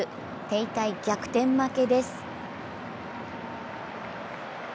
手痛い逆転負けです。